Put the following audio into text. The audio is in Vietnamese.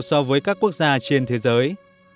so với các quốc gia trên thế giới